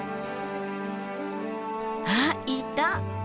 あっいた！